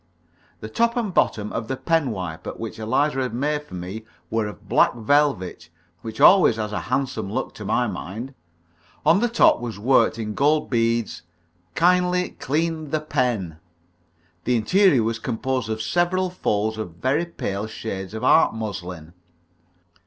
The top and bottom of the pen wiper which Eliza had made for me were of black velvet, which always has a handsome look to my mind. On the top was worked in gold beads, "Kindly clean the pen." The interior was composed of several folds of very pale shades of art muslin.